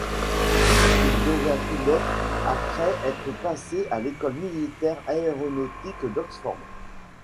Puis il devient pilote après être passé à l'École militaire aéronautique d'Oxford.